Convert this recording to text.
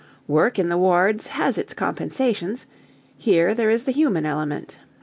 Work in the wards has its compensations: here there is the human element.